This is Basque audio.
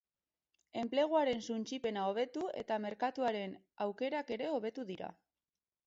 Enpleguaren suntsipena hobetu eta merkatuaren aukerak ere hobetu dira.